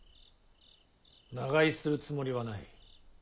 長居するつもりはない。